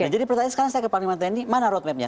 jadi pertanyaan sekarang saya ke panglima tni mana road mapnya